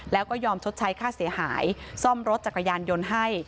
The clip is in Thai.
แล้วก็ยอมชดใช้ค่าเสียหายซ่อมรถจักรยานยนต์ให้